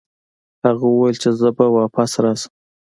هغه وویل چې زه به واپس راشم.